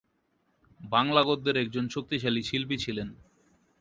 বাংলা গদ্যের একজন শক্তিশালী শিল্পী ছিলেন।